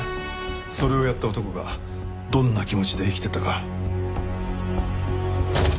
それをやった男がどんな気持ちで生きてたか。